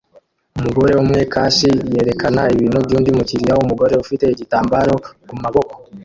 Umugore umwe kashi yerekana ibintu byundi mukiriya wumugore ufite igitambaro kumaboko